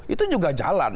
itu juga jalan